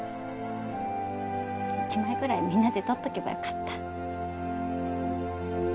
１枚ぐらいみんなで撮っとけばよかった。